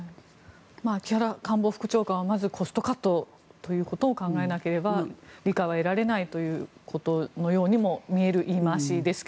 木原官房副長官はまずコストカットということを考えなければ理解は得られないということのようにも見える言い回しですが。